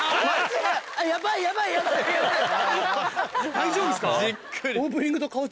大丈夫ですか？